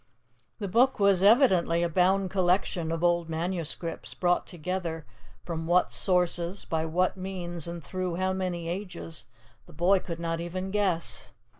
The Book was evidently a bound collection of old manuscripts, brought together from what sources, by what means, and through how many ages, the boy could not even guess.